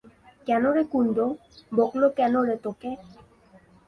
কেন রে কুন্দ, বকল কেন রে তোকে?